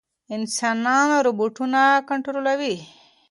انسانان روباټونه کنټرولوي.